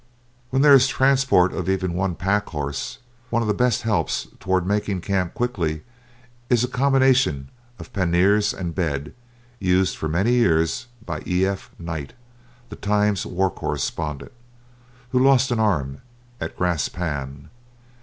When there is transport of even one pack horse, one of the best helps toward making camp quickly is a combination of panniers and bed used for many years by E. F. Knight, the Times war correspondent, who lost an arm at Gras Pan.